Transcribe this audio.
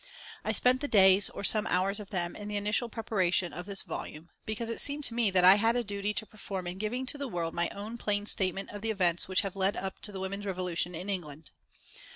I spent the days, or some hours of them, in the initial preparation of this volume, because it seemed to me that I had a duty to perform in giving to the world my own plain statement of the events which have led up to the women's revolution in England.